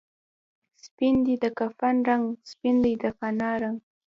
سپین دی د کفن رنګ، سپین دی د فنا رنګ